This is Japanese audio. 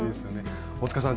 大塚さん